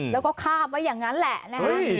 แล้วก็คาบไว้อย่างนั้นแหละนะคะ